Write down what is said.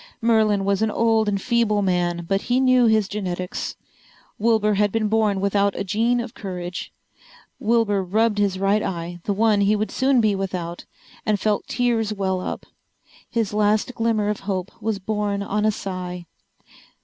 Merlin was an old and feeble man. But he knew his genetics. Wilbur had been born without a gene of courage. Wilbur rubbed his right eye, the one he would soon be without, and felt tears well up. His last glimmer of hope was borne on a sigh.